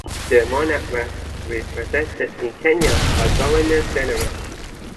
The monarch was represented in Kenya by a Governor-General.